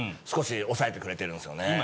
少し抑えてくれてるんですよね。